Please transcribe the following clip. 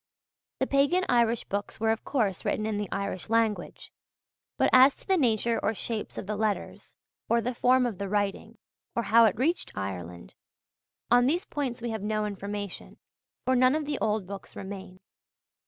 The pagan Irish books were, of course, written in the Irish language; but as to the nature or shapes of the letters, or the form of the writing, or how it reached Ireland, on these points we have no information, for none of the old books remain.